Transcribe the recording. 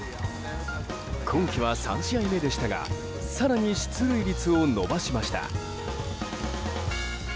今季は３試合目でしたが更に出塁率を伸ばしました。